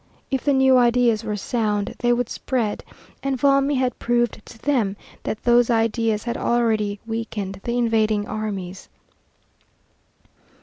If the new ideas were sound they would spread, and Valmy had proved to them that those ideas had already weakened the invading armies.